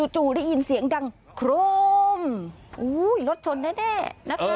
จู่ได้ยินเสียงดังโครมอุ้ยรถชนแน่นะคะ